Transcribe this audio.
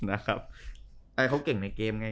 ให้เขาเก่งในเกมไง